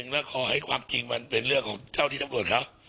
และขอให้ความจริงมันเป็นเรื่องของเจ้าที่สำรวจเขา